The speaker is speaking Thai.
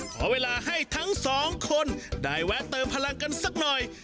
ขอเวลาให้ทั้งสองคนได้แวะเติมพลังกันสักหน่อย